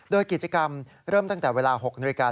โดยกิจกรรมเริ่มตั้งแต่เวลา๖นาฬิกา